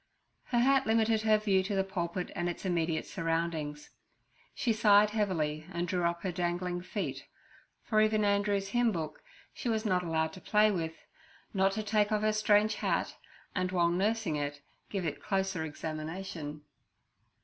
Her hat limited her view to the pulpit and its immediate surroundings. She sighed heavily and drew up her dangling feet, for even Andrew's hymn book she was not allowed to play with, not to take off her strange hat, and while nursing it give it closer examination.